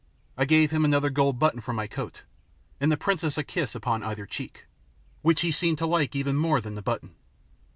I gave him another gold button from my coat, and the princess a kiss upon either cheek, which he seemed to like even more than the button.